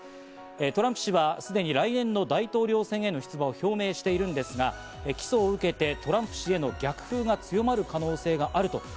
トランプ氏はすでに来年の大統領選への出馬を表明していますが、起訴を受けてトランプ氏への逆風が強まる可能性もあります。